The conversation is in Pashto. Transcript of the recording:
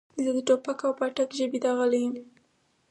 زه د ټوپک او پاټک ژبې داغلی یم.